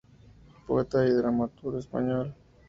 Poeta y dramaturgo español.